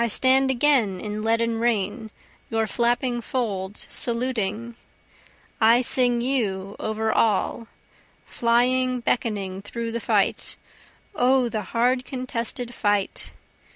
I stand again in leaden rain your flapping folds saluting, I sing you over all, flying beckoning through the fight O the hard contested fight!